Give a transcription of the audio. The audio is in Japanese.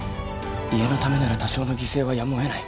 家のためなら多少の犠牲はやむを得ない。